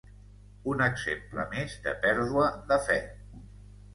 Un exemple més de pèrdua de fe.